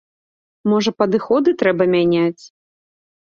Можа, падыходы трэба мяняць?